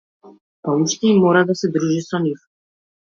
Па уште и мора да се дружи со нив.